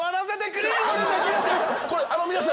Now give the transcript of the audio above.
これあの皆さん